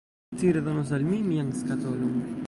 Ci redonos al mi mian skatolon.